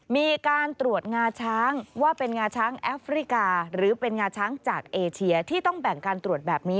มีการตรวจงาช้างว่าเป็นงาช้างแอฟริกาหรือเป็นงาช้างจากเอเชียที่ต้องแบ่งการตรวจแบบนี้